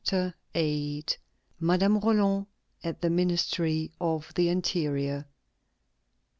VIII. MADAME ROLAND AT THE MINISTRY OF THE INTERIOR.